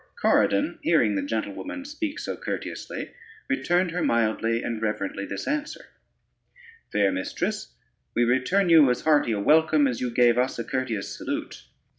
Corydon, hearing the gentlewoman speak so courteously, returned her mildly and reverently this answer: "Fair mistress, we return you as hearty a welcome as you gave us a courteous salute.